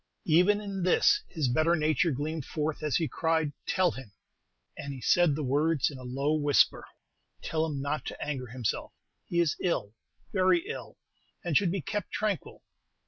Even in this his better nature gleamed forth as he cried, 'Tell him' and he said the words in a low whisper 'tell him not to anger himself; he is ill, very ill, and should be kept tranquil.